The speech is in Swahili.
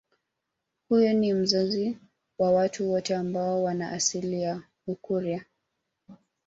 Huyu ni mzazi wa watu wote ambao wana asili ya Ukurya